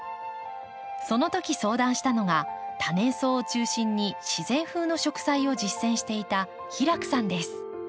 その時相談したのが多年草を中心に自然風の植栽を実践していた平工さんです。